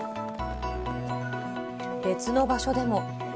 別の場所でも。